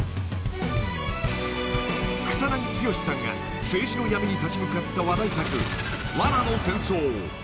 ［草剛さんが政治の闇に立ち向かった話題作『罠の戦争』］